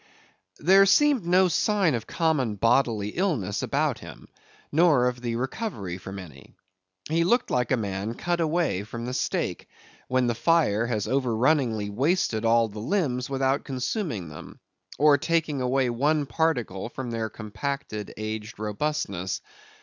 There seemed no sign of common bodily illness about him, nor of the recovery from any. He looked like a man cut away from the stake, when the fire has overrunningly wasted all the limbs without consuming them, or taking away one particle from their compacted aged robustness.